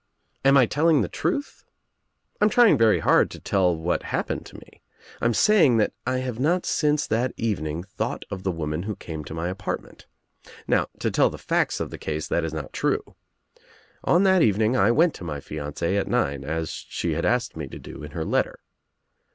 "Am I telling the truth? I am trying very bard to ' tell what happened to me. I am saying that I have not since that evening thought of the woman who came to my apartment. Now, to tell the facts of the case, that is not true. On that evening I went to my fiancee at nine, as she had asked me to do In her letter.